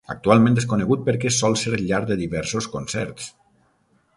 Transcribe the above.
Actualment és conegut perquè sol ser llar de diversos concerts.